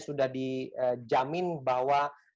sudah dijamin bahwa